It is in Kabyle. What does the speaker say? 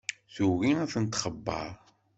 Tugi ad ten-txebber.